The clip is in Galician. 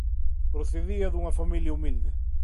Procedía dunha familia humilde.